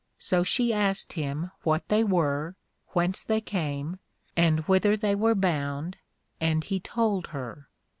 So she asked him what they were, whence they came, and whither they were bound; and he told her.